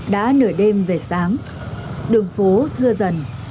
đã nửa đêm về sáng đường phố thưa dần